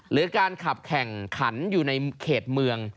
หรือการขับแข่งขันอยู่ในเขตเมือง